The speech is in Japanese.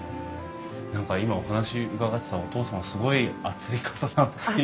何か今お話伺ってたらお父さんすごい熱い方だなあって。